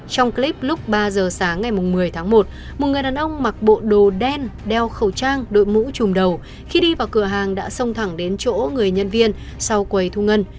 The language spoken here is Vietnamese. trong clip lúc ba giờ sáng ngày một mươi tháng một một người đàn ông mặc bộ đồ đen đeo khẩu trang đội mũ trùm đầu khi đi vào cửa hàng đã xông thẳng đến chỗ người nhân viên sau quầy thu ngân